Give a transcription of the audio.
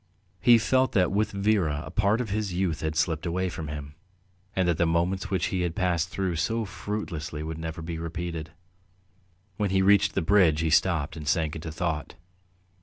He felt that with Vera a part of his youth had slipped away from him, and that the moments which he had passed through so fruitlessly would never be repeated. When he reached the bridge he stopped and sank into thought.